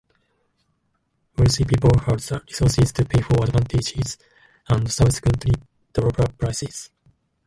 Wealthy people had the resources to pay for advantages, and subsequently drove up prices.